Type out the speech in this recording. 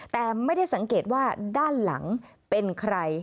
แต่ไม่ได้สังเกตว่าด้านหลังเป็นใคร